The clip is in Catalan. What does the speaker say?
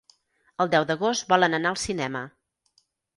El deu d'agost volen anar al cinema.